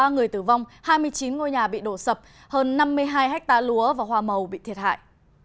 ba người tử vong hai mươi chín ngôi nhà bị đổ sập hơn năm mươi hai hectare lúa và hoa màu bị thiệt hại